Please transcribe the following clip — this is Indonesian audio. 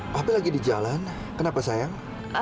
tapi lagi di jalan kenapa sayang